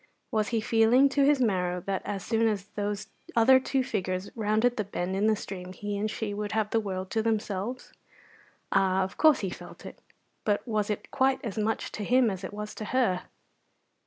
Was he feeling to his marrow that as soon as those other two figures rounded the bend in the stream he and she would have the world to themselves? Ah, of course he felt it, but was it quite as much to him as it was to her?